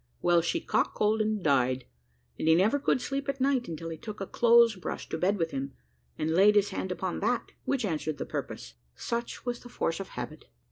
Well, she caught cold and died, and he never could sleep at night until he took a clothes brush to bed with him, and laid his hand upon that, which answered the purpose such was the force of habit."